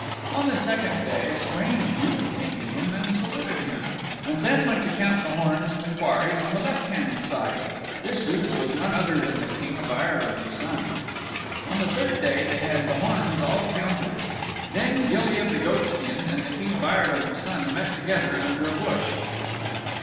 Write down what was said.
On the second day a strange youth came to him and saluted him, and then went to count the horns in the quarry on the left hand side. This youth was none other than the King of Ireland's Son. On the third day they had the horns all counted. Then Gilly of the Goatskin and the King of Ireland's Son met together under a bush.